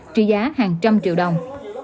trị giá hàng trăm triệu đồng